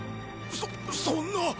そそんな！